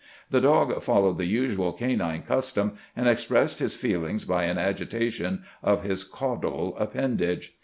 The dog followed the usual canine custom, and expressed his feelings by an agitation of his caudal appendage.